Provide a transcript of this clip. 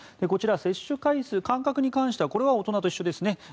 こちら、接種回数間隔に関してはこれは大人と同じですね。